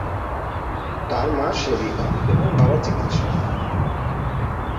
তার মা সেবিকা এবং বাবা চিকিৎসক।